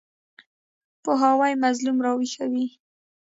پوهاوی مظلوم راویښوي.